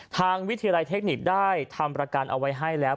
ทางวิทยาลัยเทคนิคได้ทำประกันเอาไว้ให้แล้ว